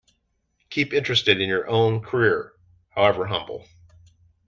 Keep interested in your own career, however humble